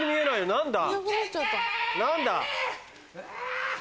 何だ？